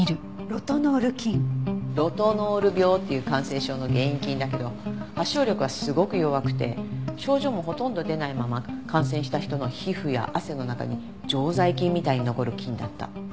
ロトノール病っていう感染症の原因菌だけど発症力はすごく弱くて症状もほとんど出ないまま感染した人の皮膚や汗の中に常在菌みたいに残る菌だった。